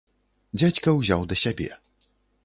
Дзядзька ўзяў да сябе.